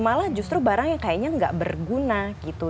malah justru barangnya kayaknya nggak berguna gitu